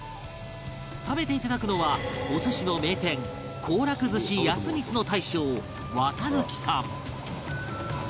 食べていただくのはお寿司の名店後楽寿司やす秀の大将綿貫さん